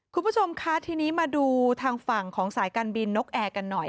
คุณผู้ชมคะทีนี้มาดูทางฝั่งของสายการบินนกแอร์กันหน่อย